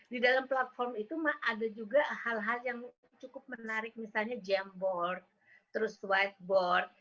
di dalam platform itu ada juga hal hal yang cukup menarik misalnya jamboard terus whiteboard